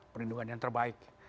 perlindungan yang terbaik